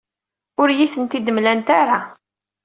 Ur iyi-ten-id-mlant ara.